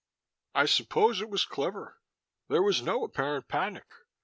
I suppose it was clever there was no apparent panic.